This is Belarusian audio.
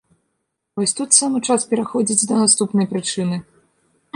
Вось тут самы час пераходзіць да наступнай прычыны.